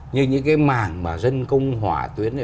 như những cái mảng mà dân công hỏa tuyến